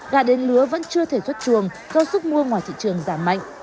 gà đến lứa vẫn chưa thể xuất chuồng do sức mua ngoài thị trường giảm mạnh